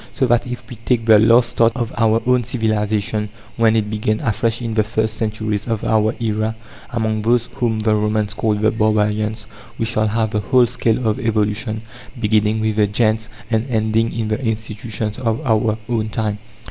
So that if we take the last start of our own civilization, when it began afresh in the first centuries of our era, among those whom the Romans called the "barbarians," we shall have the whole scale of evolution, beginning with the gentes and ending in the institutions of our own time.